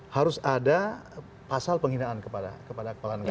harus ada pasal penghinaan kepada kepala negara